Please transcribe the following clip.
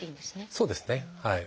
そうですね。